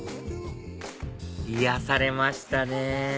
癒やされましたね